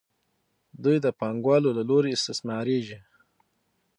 دوی د پانګوالو له لوري استثمارېږي